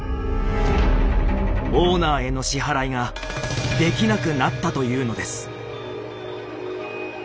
オーナーへの支払いができなくなったというのです。